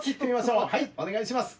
はいお願いします。